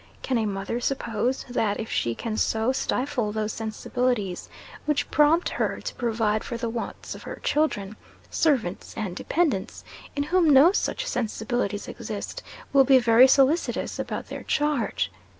Can a mother suppose, that if she can so stifle those sensibilities which prompt her to provide for the wants of her children, servants and dependants, in whom no such sensibilities exist, will be very solicitous about their charge?